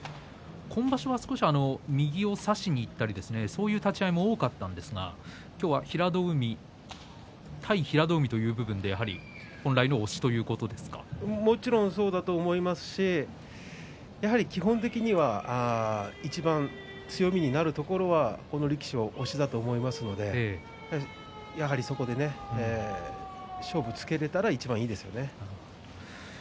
今場所は少し右を差しにいったりという立ち合いも多かったんですが今日は対平戸海という部分でもちろんそうだと思いますし、やはり基本的にはいちばん強みになるところはこの力士は押しだと思いますのでやはりそこで勝負つけられたらいちばんいいですよね。